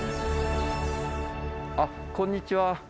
あっこんにちは。